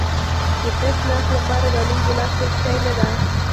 د تش نس لپاره دا نیم ګیلاس هېڅ شی نه دی.